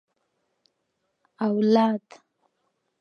اوالد